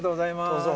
どうぞ。